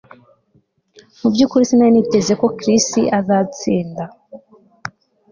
Mu byukuri sinari niteze ko Chris azatsinda